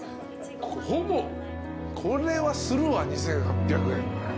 これはするわ２，８００円。